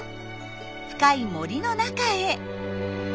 深い森の中へ。